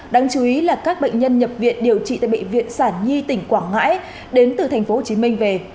đáng chú ý là các bệnh nhân nhập viện điều trị tại bệnh viện sản nhi tỉnh quảng ngãi đến từ tp hcm về